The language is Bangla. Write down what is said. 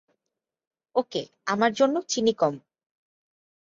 ওকে, আমার জন্য চিনি কম।